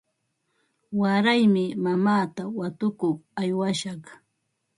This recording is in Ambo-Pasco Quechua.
Waraymi mamaata watukuq aywashaq.